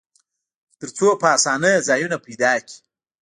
تر څو په آسانۍ ځایونه پیدا کړي.